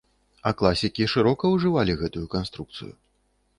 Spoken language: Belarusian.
А класікі шырока ўжывалі гэтую канструкцыю.